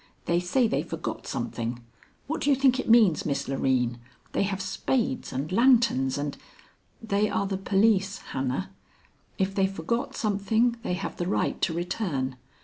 They say they forgot something. What do you think it means, Miss Loreen? They have spades and lanterns and " "They are the police, Hannah. If they forgot something, they have the right to return.